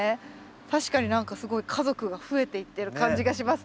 確かに何かすごい家族が増えていってる感じがしますね。